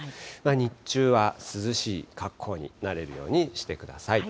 日中は涼しい格好になれるようにしてください。